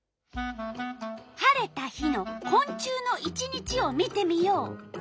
晴れた日のこん虫の１日を見てみよう。